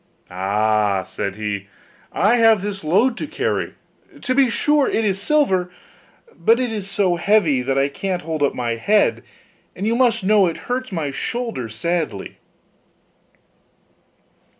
'Ah!' said he, 'I have this load to carry: to be sure it is silver, but it is so heavy that I can't hold up my head, and you must know it hurts my shoulder sadly.